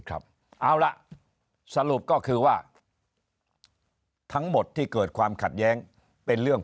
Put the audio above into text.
ครับเอาล่ะสรุปก็คือว่าทั้งหมดที่เกิดความขัดแย้งเป็นเรื่อง